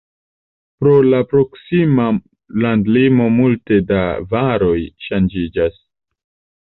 Pro la proksima landlimo multe da varoj ŝanĝiĝas.